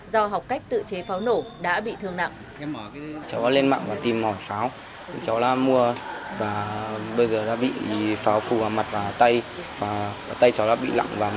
do học cách tự chế pháo nổ đã bị thương nặng